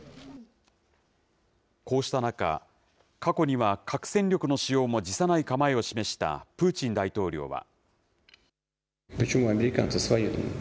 こうした中、過去には核戦力の使用も辞さない構えを示したプーチン大統領は。